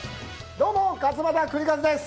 どうも勝俣州和です。